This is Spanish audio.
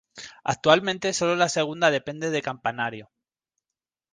Actualmente solo la segunda depende de Campanario.